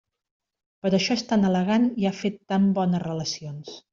Per això és tan elegant i ha fet tan bones relacions.